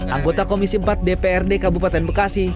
anggota komisi empat dprd kabupaten bekasi